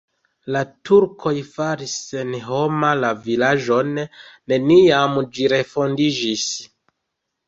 La turkoj faris senhoma la vilaĝon, neniam ĝi refondiĝis.